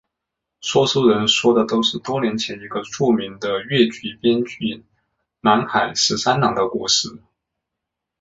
说书人说的是多年前一个著名的粤剧编剧南海十三郎的故事。